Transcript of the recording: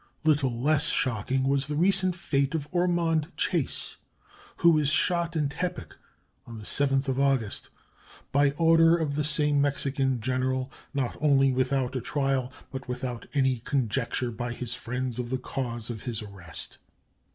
Little less shocking was the recent fate of Ormond Chase, who was shot in Tepic on the 7th of August by order of the same Mexican general, not only without a trial, but without any conjecture by his friends of the cause of his arrest.